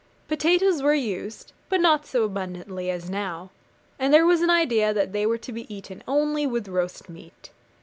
Potatoes were used, but not so abundantly as now; and there was an idea that they were to be eaten only with roast meat.